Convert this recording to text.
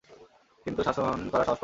কিন্তু শাসন করার সাহস পাননি।